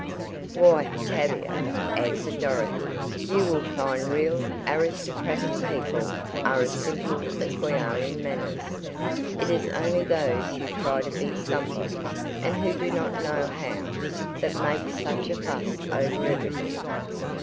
"Why, Tavia," answered Dorothy, "you will find real aristocratic people are as simple as we are in manners; it is only those who try to be 'somebody,' and who do not know how, that make such a fuss over everything.